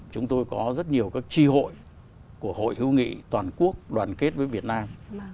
chúng tôi có rất nhiều các tri hội của hội hữu nghị toàn quốc đoàn kết với việt nam